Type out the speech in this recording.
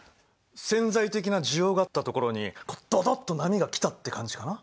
潜在的な需要があったところにドドッと波が来たって感じかな。